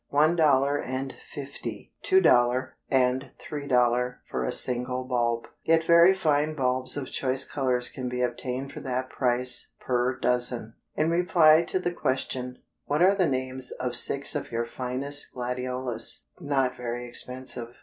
50, $2 and $3 for a single bulb, yet very fine bulbs of choice colors can be obtained for that price per dozen. In reply to the question, "What are the names of six of your finest gladiolus not very expensive?"